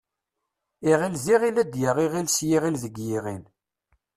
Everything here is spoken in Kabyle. Iɣil d iɣil ad yaɣ iɣil s yiɣil deg yiɣil.